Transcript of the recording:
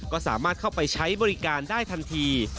ก็สามารถเข้าไปใช้บริการได้ทันที